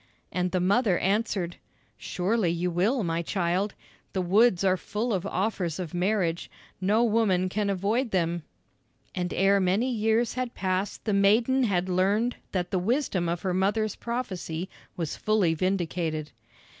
And the mother answered: "Surely you will, my child; the woods are full of offers of marriage no woman can avoid them." And ere many years had passed the maiden had learned that the wisdom of her mother's prophecy was fully vindicated.